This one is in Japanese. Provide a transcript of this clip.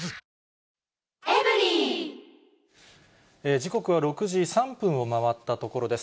時刻は６時３分を回ったところです。